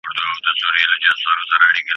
نـور بــــه نــــه درځـمه